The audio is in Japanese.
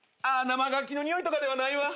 生乾きのにおいとかではない。